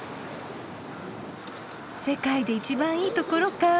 「世界で一番いいところ」か。